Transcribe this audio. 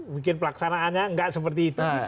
bikin pelaksanaannya gak seperti itu